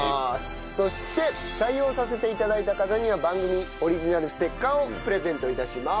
そして採用させて頂いた方には番組オリジナルステッカーをプレゼント致します。